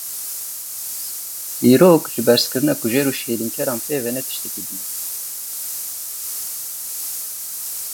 Dîrok, ji berzkirina kujer û şêlînkeran pê ve ne tiştekî din e.